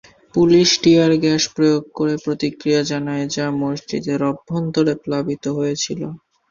Police tear gas প্রয়োগ করে প্রতিক্রিয়া জানায়, যা মসজিদের অভ্যন্তরে প্লাবিত হয়েছিল।